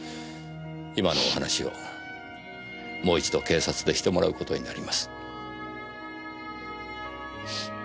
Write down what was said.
今のお話をもう一度警察でしてもらう事になります。